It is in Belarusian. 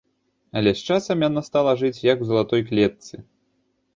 Але з часам яна стала жыць, як у залатой клетцы.